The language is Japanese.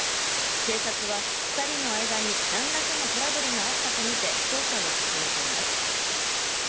警察は２人の間に何らかのトラブルがあったとみて捜査を進めています。